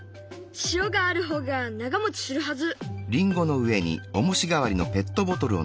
塩がある方が長もちするはず。